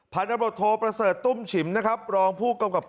ภัณฑ์รบรถโทพระเสริฐตุ้มฉิมรองผู้กรรมกับการ